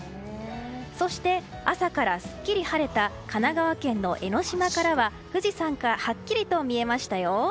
そして朝からすっきり晴れた神奈川県の江の島からは富士山がはっきりと見えましたよ。